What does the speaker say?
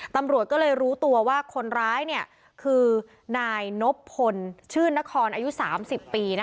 ตำรวจก็เลยรู้ตัวว่าคนร้ายคือนายนบพลชื่นนครอายุ๓๐ปี